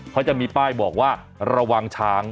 เขาจะมีป้ายบอกว่าระวังช้าง